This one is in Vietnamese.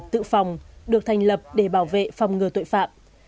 tự phòng được thành lập để bảo vệ phòng ngừa tội phạm